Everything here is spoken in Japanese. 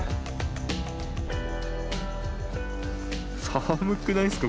・寒くないっすか？